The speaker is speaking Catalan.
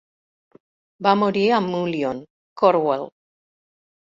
Va morir a Mullion, Cornwall.